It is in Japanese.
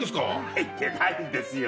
入ってないんですよ。